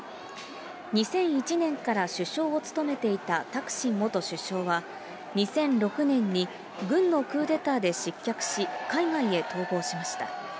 ２００１年から首相を務めていたタクシン元首相は、２００６年に軍のクーデターで失脚し、海外へ逃亡しました。